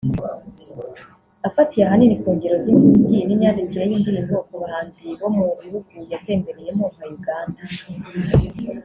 afatiye ahanini ku ngero z’imiziki n’imyandikire y’indirimbo ku bahanzi bo mu bihugu yatembereyemo nka Uganda